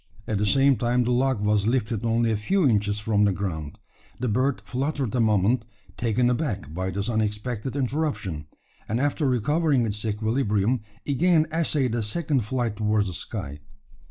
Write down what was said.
At the same time the log was lifted only a few inches from the ground. The bird fluttered a moment, taken aback by this unexpected interruption; and, after recovering its equilibrium, again essayed a second flight towards the sky.